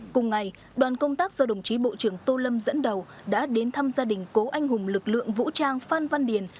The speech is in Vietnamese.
cùng ngày đoàn công tác do đồng chí bộ trưởng tô lâm dẫn đầu đã đến thăm gia đình cố anh hùng lực lượng vũ trang phan văn điền